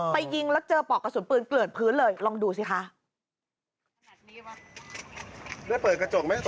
พูดจอบมือเข้าหาเราเหอะ